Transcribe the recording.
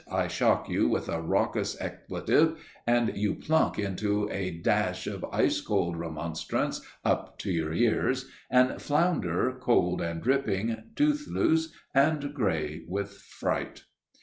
I shock you with a raucous expletive, and you plunk into a dash of ice cold remonstrance up to your ears, and flounder, cold and dripping, tooth loose, and grey with fright!